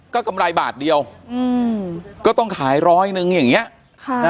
ก็กำไรบาทเดียวอืมก็ต้องขายร้อยหนึ่งอย่างเงี้ยค่ะ